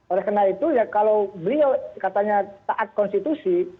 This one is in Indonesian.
oleh karena itu ya kalau beliau katanya taat konstitusi